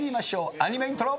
アニメイントロ。